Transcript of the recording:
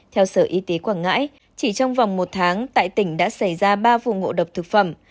theo sở y tế quảng ngãi chỉ trong vòng một tháng tại tỉnh đã xảy ra ba vụ ngộ độc thực phẩm